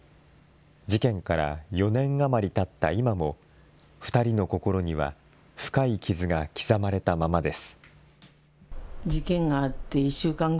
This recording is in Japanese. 事件から４年余りたった今も、２人の心には深い傷が刻まれたままです。